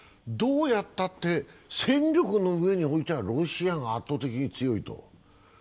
どうやったって戦力のうえにおいてはロシアが圧倒的に強いと。